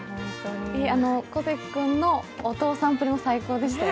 小関君のお父さんぶりも最高でしたよ。